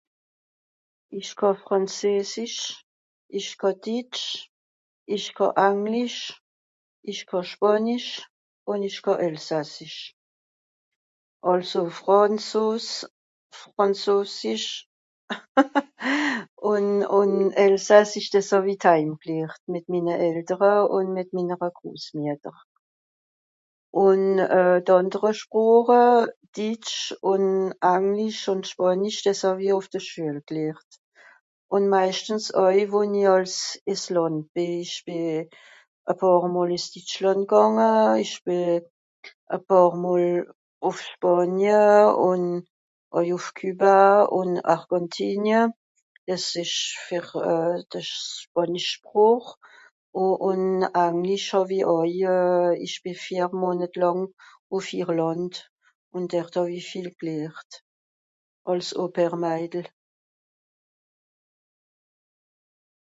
Ìch kà frànzesisch, ìch kà ditsch, ìch kà anglisch, ìch kà Spànisch ùn ìch kà Elsassisch. Àlso frànzos... frànzosisch, haha ùn... ùn Elsassisch dìs hàw-i dheim glehrt mìt minne Eltere ùn mìt minnere Grosmietter. Ùn euh... d'àndere Sproche, ditsch ùn anglisch ùn Spànisch dìs hàw-i ùff de Schüel glehrt. Ùn meischtens oei wo-n-i àls Üsslànd bì. Ìch bìn e pààr mol ìn Ditschlànd gànge, ìch bì e pààr mol ùff Spànie ùn àui ùff Cuba Ùn Argentinia, dìs ìsch fer de spànisch Sproch. Ùn anglisch haw-i àui euh... ìch bì vier Monet làng ùff Irlànd, ùn dert hàw-i viel glehrt, àls au-pair Madel